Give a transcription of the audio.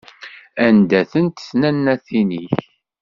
Anda-tent tnannatin-ik?